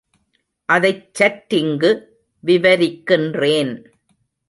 அதைச் சற்றிங்கு விவரிக்கின்றேன்.